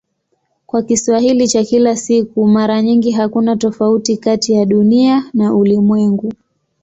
Kwa Kiswahili cha kila siku mara nyingi hakuna tofauti kati ya "Dunia" na "ulimwengu".